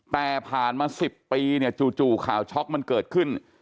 แต่ผ่านมา๑๐ปีเนี่ยจู่ข่าวช็อกมันเกิดขึ้น